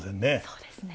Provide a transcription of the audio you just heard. そうですね。